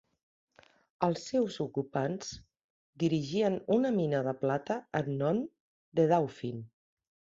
Els seus ocupants dirigien una mina de plata en nom de Dauphin.